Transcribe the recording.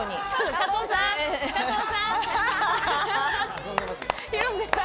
加藤さん！